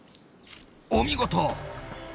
お見事！